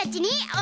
お！